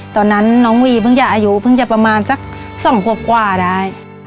ตอนนั้นน้องวีเพิ่งจะอายุเพิ่งจะประมาณสัก๒ขวบกว่าได้